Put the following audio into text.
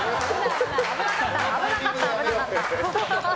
危なかった、危なかった。